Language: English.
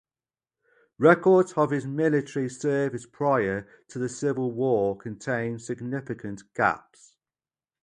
Records of his military service prior to the Civil War contain significant gaps.